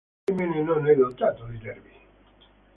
L’imene non è dotato di nervi.